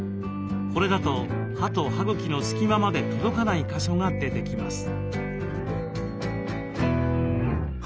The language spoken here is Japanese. これだと歯と歯茎の隙間まで届かない箇所が出てきます。